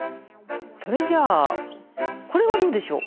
それじゃあこれはどうでしょう。